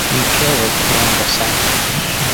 Mkewe kirango sana.